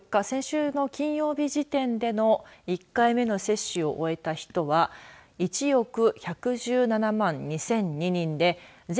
先週の金曜日時点での１回目の接種を終えた人は１億１１７万２００２